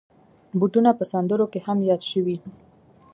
بوټونه په سندرو کې هم یاد شوي.